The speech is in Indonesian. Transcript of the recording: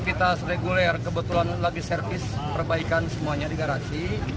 aktivitas reguler kebetulan lagi servis perbaikan semuanya di garasi